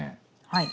はい。